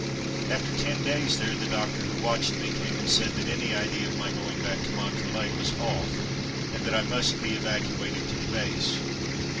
'' After ten days there the doctor who watched me came and said that any idea of my going back to Montrelet was "off,'' and that I must be "evacuated to the base."